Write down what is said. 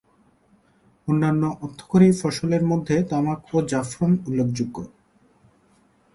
অন্যান্য অর্থকরী ফসলের মধ্যে তামাক ও জাফরান উল্লেখযোগ্য।